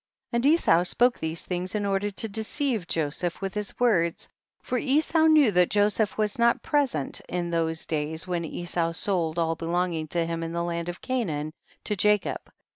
And Esau spoke these things ' in order to deceive Joseph with hiis words, for Esau knew that Joseph was not present in those days when Esau sold all belonging to him in the land of Canaan to Jacob.